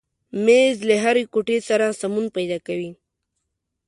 مېز له هرې کوټې سره سمون پیدا کوي.